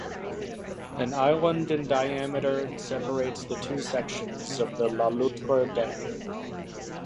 An island in diameter separates the two sections of the La Loutre dam.